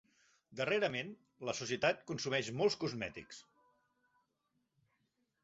Darrerament, la societat consumeix molts cosmètics.